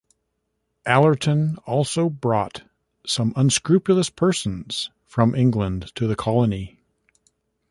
Allerton also brought some unscrupulous persons from England to the colony.